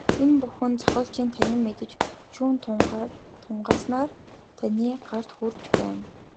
Энэ бүхэн зохиолчийн танин мэдэж, шүүн тунгааснаар таны гарт хүрч байна.